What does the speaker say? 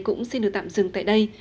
cũng xin được tạm dừng tại đây